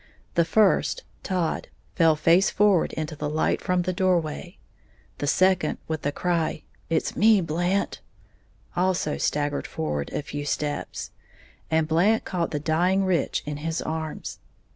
The first Todd fell face forward into the light from the doorway; the second, with the cry, "It's me, Blant," also staggered forward a few steps, and Blant caught the dying Rich in his arms.